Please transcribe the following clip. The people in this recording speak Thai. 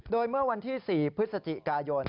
โดยเมื่อวันที่๔พฤศจิกายน